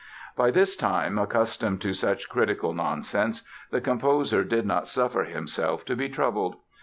By this time accustomed to such critical nonsense the composer did not suffer himself to be troubled.